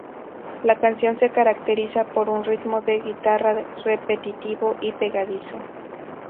La canción se caracteriza por un ritmo de guitarra repetitivo y pegadizo.